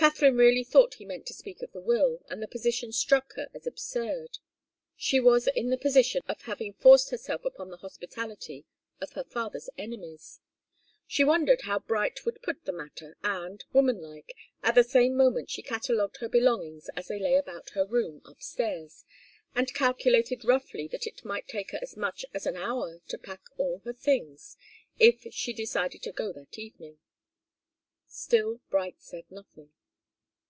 Katharine really thought he meant to speak of the will, and the position struck her as absurd. She was in the position of having forced herself upon the hospitality of her father's enemies. She wondered how Bright would put the matter, and, woman like, at the same moment she catalogued her belongings as they lay about her room upstairs and calculated roughly that it might take her as much as an hour to pack all her things if she decided to go that evening. Still Bright said nothing.